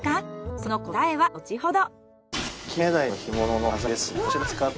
その答えは後ほど。